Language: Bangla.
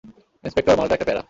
ইন্সপেক্টর মালটা একটা প্যারা।